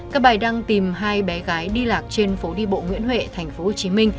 các bài đăng tìm hai bé gái đi lạc trên phố đi bộ nguyễn huệ tp hcm